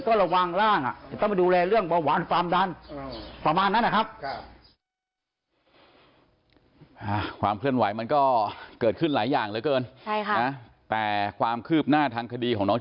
ก็ระวังล่างอย่าต้องมาดูแลเรื่องเบาหวานฟามดัน